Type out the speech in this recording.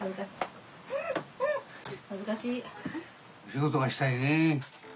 仕事がしたいね。